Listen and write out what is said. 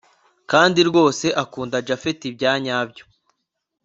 kandi rwose akunda japhet byanyabyo